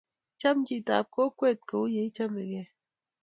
Cham chitab kokwet ko u yei chamegei